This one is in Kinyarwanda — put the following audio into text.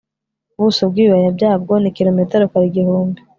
ubuso bwibibaya byabwo ni kilometero kare igihumbi